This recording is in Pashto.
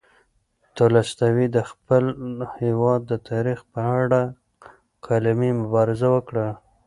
تولستوی د خپل هېواد د تاریخ په اړه قلمي مبارزه وکړه.